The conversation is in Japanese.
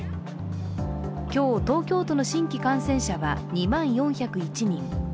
今日、東京都の新規感染者は２万４０１人。